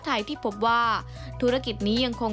กระแสรักสุขภาพและการก้าวขัด